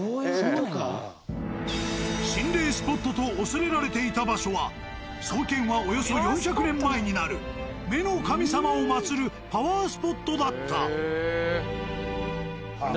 心霊スポットと恐れられていた場所は創建はおよそ４００年前になる目の神様を祭るパワースポットだった。